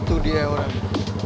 bunda gua dulu